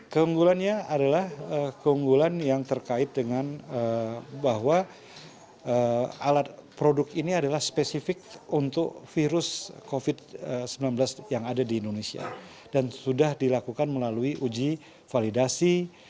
keunggulannya adalah keunggulan yang terkait dengan bahwa alat produk ini adalah spesifik untuk virus covid sembilan belas yang ada di indonesia dan sudah dilakukan melalui uji validasi